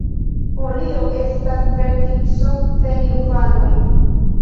Folio estas vertico sen infanoj.